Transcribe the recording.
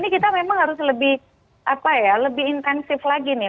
kita memang harus lebih intensif lagi nih